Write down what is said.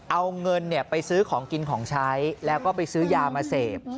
เอาเงินไปซื้อของกินของใช้แล้วก็ไปซื้อยามาเสพ